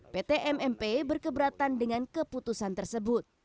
pt mmp berkeberatan dengan keputusan tersebut